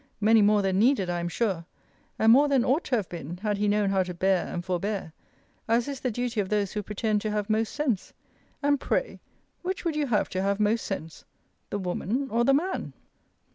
Many more than needed, I am sure: and more than ought to have been, had he known how to bear and forbear; as is the duty of those who pretend to have most sense And, pray, which would you have to have most sense, the woman or the man?